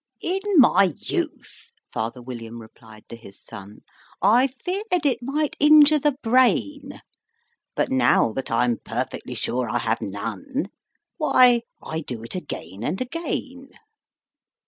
"In my youth," father William replied to his son, "I feared it might injure the brain; But, now that I'm perfectly sure I have none, Why, I do it again and again."